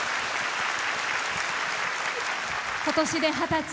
今年で二十歳。